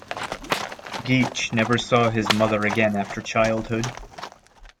Geach never saw his mother again after childhood.